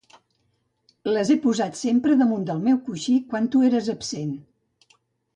Les he posat sempre damunt del meu coixí, quan tu eres absent.